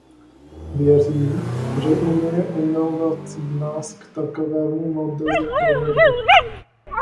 Věřím, že Unie inovací nás k takovému modelu povede.